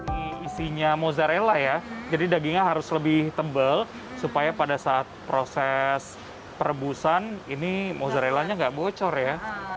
ini isinya mozzarella ya jadi dagingnya harus lebih tebal supaya pada saat proses perebusan ini mozzarellanya nggak bocor ya